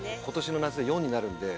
今年の夏で。